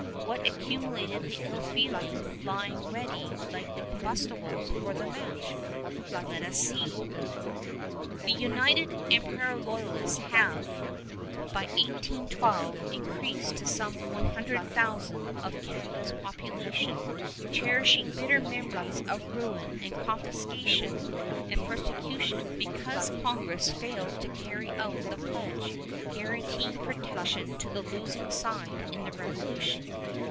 What accumulated the ill feeling lying ready like combustibles for the match? Let us see. The United Empire Loyalists have, by 1812, increased to some 100,000 of Canada's population, cherishing bitter memories of ruin and confiscation and persecution because Congress failed to carry out the pledge guaranteeing protection to the losing side in the Revolution.